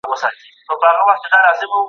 نازو انا د سهار په وخت کې د نرګس ګل لیده.